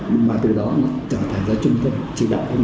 mà từ đó trở thành giới trung tâm trị đạo của một nơi